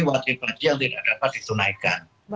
wajib bagi yang tidak dapat ditunaikan